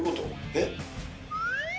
えっ？